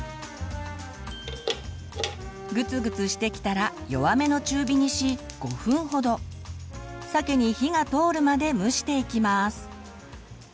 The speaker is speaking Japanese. グツグツしてきたら弱めの中火にし５分ほどさけに火が通るまで蒸していきます。